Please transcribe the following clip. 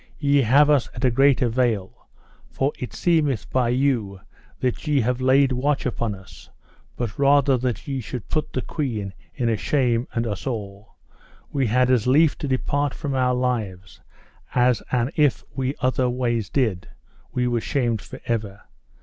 Ye have us at a great avail, for it seemeth by you that ye have laid watch upon us; but rather than ye should put the queen to a shame and us all, we had as lief to depart from our lives, for an if we other ways did, we were shamed for ever.